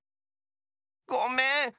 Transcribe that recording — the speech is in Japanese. ごめん。